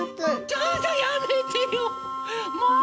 ちょっとやめてよもう！